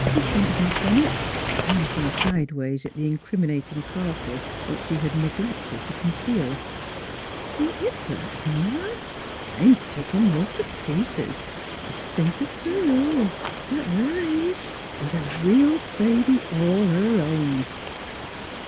con tended Miss Bennett, glancing sidewise at the in criminating parcel which she had neglected to con ceal. " Ain't you glad, Ma? I'm tickled most t' pieces. T' think o' Philura at her age, with a real baby all her own!